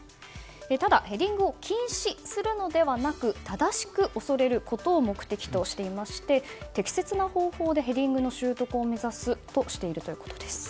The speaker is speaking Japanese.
ただ、ヘディングを禁止するのではなく正しく恐れることを目的としていまして適切な方法でヘディングの習得を目指すとしているということです。